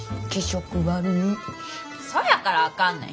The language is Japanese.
そやからあかんねん。